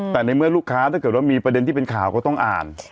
แต่ในเมื่อลูกค้าถ้าเกิดว่ามีประเด็นที่เป็นข่าวก็ต้องอ่าน